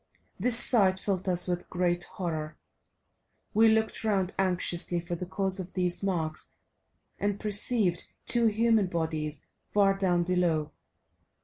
This sight filled us with great horror; we looked round anxiously for the cause of these marks and perceived two human bodies far down below.